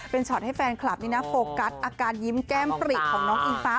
เป็นช็อตให้แฟนคลับนี่นะโฟกัสอาการยิ้มแก้มปริของน้องอิงฟ้า